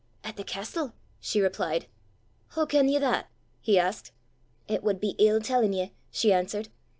"At the castle," she replied. "Hoo ken ye that?" he asked. "It wad be ill tellin' ye," she answered.